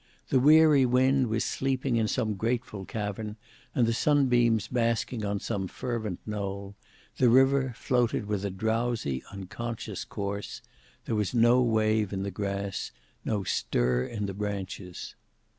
The weary wind was sleeping in some grateful cavern, and the sunbeams basking on some fervent knoll; the river floated with a drowsy unconscious course: there was no wave in the grass, no stir in the branches.